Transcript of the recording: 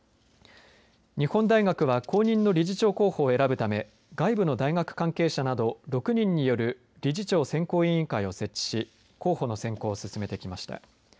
日本大学は後任の理事長候補を選ぶため外部の大学関係者など６人による理事長選考委員会を設置し候補の選考を進めてきました。